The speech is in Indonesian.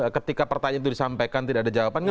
ketika pertanyaan itu disampaikan tidak ada jawaban